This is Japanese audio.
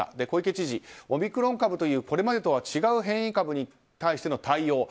小池知事、オミクロン株というこれまでとは違う変異株に対しての対応